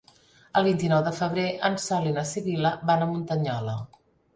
El vint-i-nou de febrer en Sol i na Sibil·la van a Muntanyola.